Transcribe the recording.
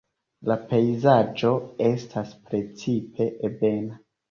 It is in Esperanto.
La pejzaĝo estas precipe ebena.